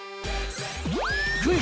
クイズ！